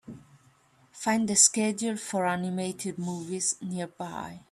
Find the schedule for animated movies nearby